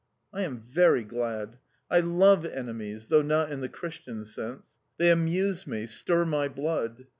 I am very glad; I love enemies, though not in the Christian sense. They amuse me, stir my blood.